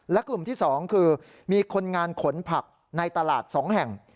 และกลุ่มที่๒คือมีคนงานขนผักในตลาด๒แห่ง